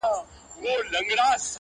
• مُلا خپور کړی د جهل جال دی -